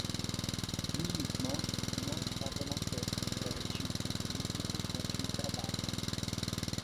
Minha irmã não estava na festa, ela tinha um compromisso importante no trabalho.